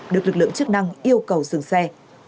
được lực lượng chức năng yêu cầu dừng xe